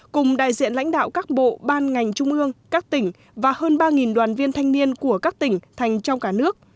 cùng đại diện lãnh đạo các bộ ban ngành trung ương các tỉnh và hơn ba đoàn viên thanh niên của các tỉnh thành trong cả nước